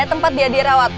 tempat biar dia rawat